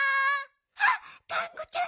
あっがんこちゃん。